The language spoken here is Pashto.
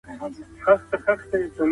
مور ماشوم ته د پاکۍ عادت ورزده کوي.